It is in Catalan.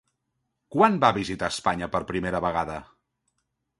Quan va visitar Espanya per primera vegada?